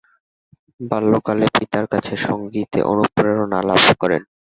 বাল্যকালে পিতার কাছে সংগীতে অনুপ্রেরণা লাভ করেন।